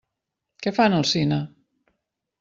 Què fan al cine?